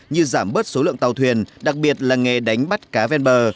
như giảm bớt số lượng tàu thuyền đặc biệt là nghề đánh bắt cá ven bờ